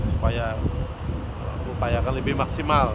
supaya upayakan lebih maksimal